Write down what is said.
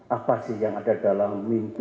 apa sih yang ada dalam mimpi